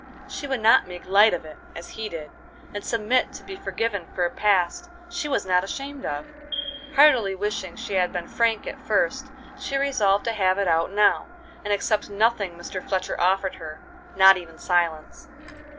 She would not make light of it, as he did, and submit to be forgiven for a past she was not ashamed of. Heartily wishing she had been frank at first, she resolved to have it out now, and accept nothing Mr. Fletcher offered her, not even silence.